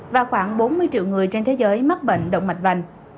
và khoảng bốn mươi triệu người trên thế giới mắc bệnh động mạch vành